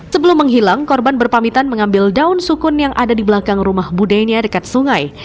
sebelum menghilang korban berpamitan mengambil daun sukun yang ada di belakang rumah budenya dekat sungai